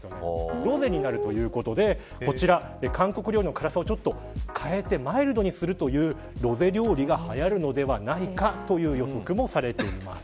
ロゼになるということで、こちら韓国料理の辛さを変えてマイルドにするというロゼ料理がはやるのではないかと予測もされています。